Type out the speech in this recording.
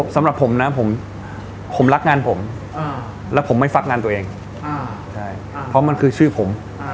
สำหรับผมนะผมรักงานผมและผมไม่ฟักงานตัวเองเพราะมันคือชื่อผม